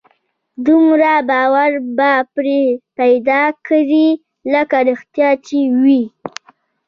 دومره باور به پرې پيدا کړي لکه رښتيا چې وي.